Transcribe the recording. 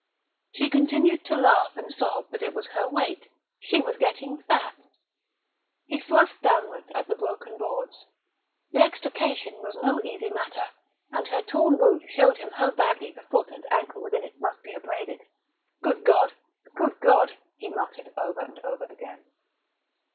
She continued to laugh and sob that it was her weight she was getting fat He thrust downwards at the broken boards. The extrication was no easy matter, and her torn boot showed him how badly the foot and ankle within it must be abraded. "Good God good God!" he muttered over and over again.